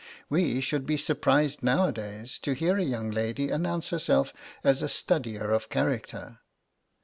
We should be surprised now a days to hear a young lady announce herself as a studier of character.